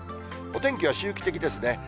お天気は周期的ですね。